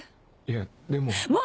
いやでも。